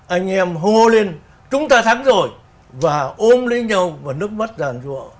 anh em hô lên chúng ta thắng rồi và ôm lấy nhau và nước mắt gàn ruộng